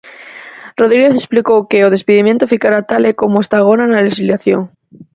Rodríguez explicou que o despedimento ficará tal e como está agora na lexislación.